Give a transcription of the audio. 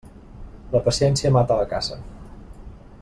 La paciència mata la caça.